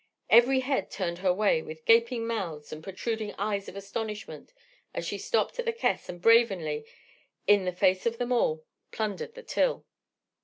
Every head turned her way with gaping mouths and protruding eyes of astonishment as she stopped at the caisse and brazenly, in the face of them all, plundered the till.